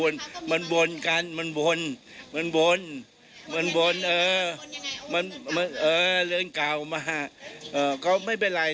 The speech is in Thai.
แล้วเขาพบสุดครั้งนี้